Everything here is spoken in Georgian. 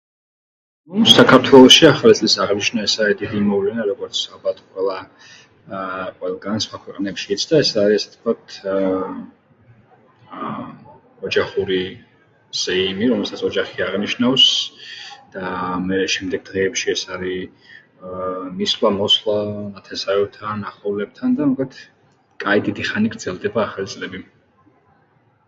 საქართველოში ახალი წლის აღნიშვნა ეს არი დიდი მოვლენა, როგორც ალბათ ყველა, აა, ყველგან სხვა ქვეყნებშიც და ეს არი, ასე ვთქვათ, ემმ, აა, ოჯახური ზეიმი, რომელსაც ოჯახი აღნიშნავს, დაა... მერე... შემდეგ დღეებში ეს არი, ეეე, მისვლა-მოსვლა... ნათესავებთან, ახლობლებთან და მოკლედ, კაი დიდი ხანი გრძელდება ახალი წლები.